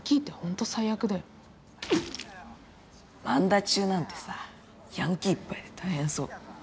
萬田中なんてさヤンキーいっぱいで大変そう。